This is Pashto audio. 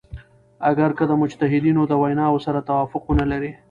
اګر که د مجتهدینو د ویناوو سره توافق ونه لری.